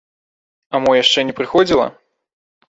А мо яшчэ не прыходзіла?